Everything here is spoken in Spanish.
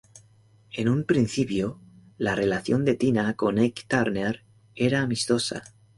En un principio, la relación de Tina con Ike Turner era amistosa.